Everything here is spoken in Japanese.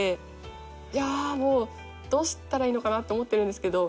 どうしたらいいのかなって思ってるんですけど。